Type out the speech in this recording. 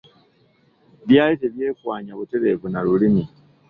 Byali tebyekwanya butereevu na Lulimi.